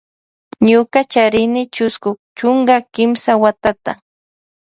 Ñuka charini chusku chunka kimsa watata.